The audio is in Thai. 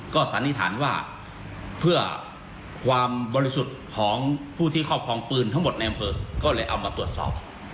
ก็สันนิษฐานว่าเพื่อความบริสุทธิ์ของผู้ที่ครอบครองปืนทั้งหมดในอำเภอก็เลยเอามาตรวจสอบ